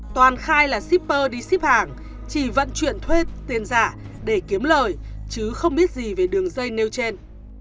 toàn khai là shipper đi ship hàng chỉ vận chuyển thuê tiền giả để kiếm lời chứ không biết gì về đường dây nêu trên